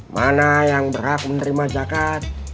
mana yang berhak menerima zakat